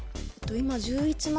今１１万